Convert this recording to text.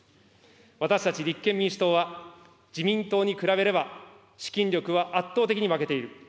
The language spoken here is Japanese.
私たち立憲民主党は、自民党に比べれば資金力は圧倒的に負けている。